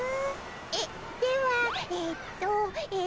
えっではえっとえっと。